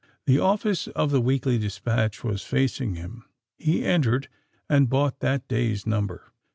The office of the Weekly Dispatch was facing him: he entered, and bought that day's number.